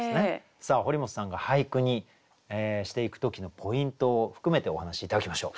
さあ堀本さんが俳句にしていく時のポイントを含めてお話し頂きましょう。